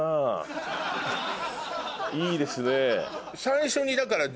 いいですね。